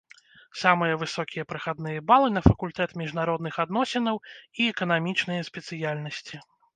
Самыя высокія прахадныя балы на факультэт міжнародных адносінаў і эканамічныя спецыяльнасці.